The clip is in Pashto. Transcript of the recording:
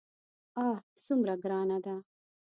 آه څومره ګرانه ده.